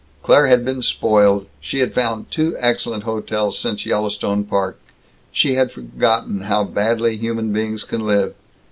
Claire had been spoiled. She had found two excellent hotels since Yellowstone Park. She had forgotten how badly human beings can live.